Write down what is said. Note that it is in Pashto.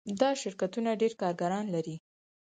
دا شرکتونه ډیر کارګران لري.